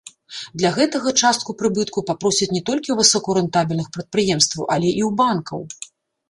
Для гэтага частку прыбытку папросяць не толькі ў высокарэнтабельных прадпрыемстваў, але і ў банкаў.